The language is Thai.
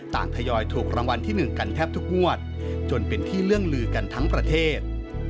ทยอยถูกรางวัลที่๑กันแทบทุกงวดจนเป็นที่เรื่องลือกันทั้งประเทศ